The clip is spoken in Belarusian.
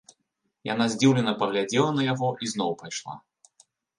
Яна здзіўлена паглядзела на яго і зноў пайшла.